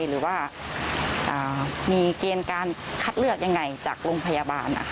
หรือว่ามีเกณฑ์การคัดเลือกยังไงจากโรงพยาบาล